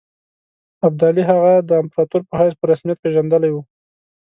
ابدالي هغه د امپراطور په حیث په رسمیت پېژندلی وو.